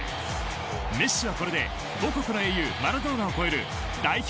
メッシはこれで母国の英雄マラドーナを超える代表